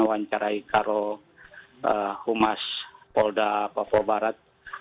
yang mencerai karo humas polda papua barat